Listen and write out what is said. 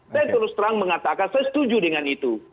saya terus terang mengatakan saya setuju dengan itu